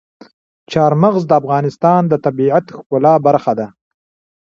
چار مغز د افغانستان د طبیعت د ښکلا برخه ده.